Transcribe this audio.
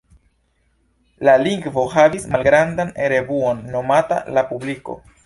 La lingvo havis malgrandan revuon nomata "La Publiko".